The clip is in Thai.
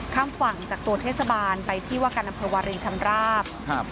ข้ามฝั่งจากตัวเทศบาลไปที่วการพลวงศ์เรียนชำราบ